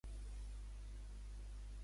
Aquest negoci vivia un moment d'esplendor?